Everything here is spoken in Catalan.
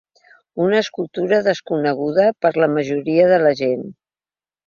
Una escultura desconeguda per la majoria de la gent.